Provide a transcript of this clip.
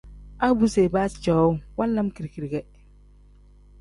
A bu si ibaazi cowuu wanlam kiri-kiri ge.